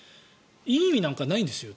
いい意味なんてないんですよ。